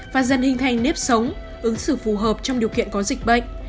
và dần hình thành nếp sống ứng xử phù hợp trong điều kiện có dịch bệnh